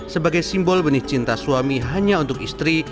sebagai simbol benih cinta suami hanya untuk istri